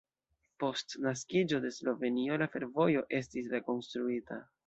Post naskiĝo de Slovenio la fervojo estis rekonstruita.